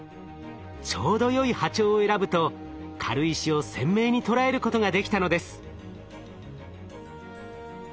ちょうどよい波長を選ぶと軽石を鮮明に捉えることができたのです。